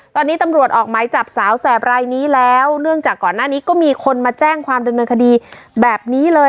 ตอนนี้ตำรวจออกหมายจับสาวแสบรายนี้แล้วเนื่องจากก่อนหน้านี้ก็มีคนมาแจ้งความดำเนินคดีแบบนี้เลย